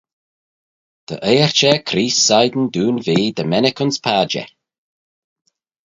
Dy eiyrt er Creest shegin dooin ve dy mennick ayns padjer.